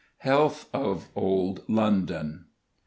HEALTH OF OLD LONDON.